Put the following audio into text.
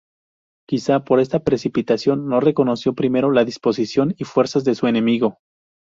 Quizá por esta precipitación, no reconoció primero la disposición y fuerzas de su enemigo.